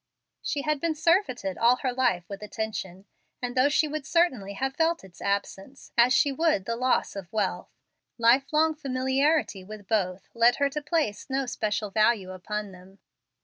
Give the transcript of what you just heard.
She had been surfeited all her life with attention, and though she would certainly have felt its absence, as she would the loss of wealth, life long familiarity with both led her to place no special value upon them.